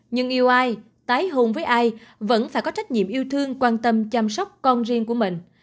nhưng yêu ai tái hôn với ai vẫn phải có trách nhiệm yêu thương quan tâm chăm sóc con riêng của mình